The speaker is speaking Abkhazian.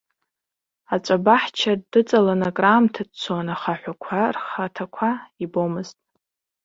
Аҵәа баҳча дыҵалан акраамҭа дцон, аха аҳәақәа рхаҭақәа ибомызт.